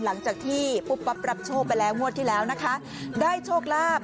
หลังจากที่ปุ๊บปั๊บรับโชคไปแล้วงวดที่แล้วนะคะได้โชคลาภ